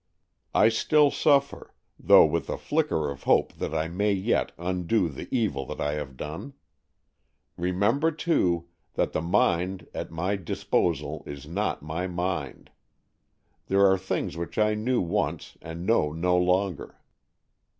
I still suffer, though with a flicker of hope that I may yet undo the evil that I have done. Remember, too, that the mind at my dis AN EXCHANGE OF SOULS 155 posal is not my mind. There are things which I knew once and know no longer.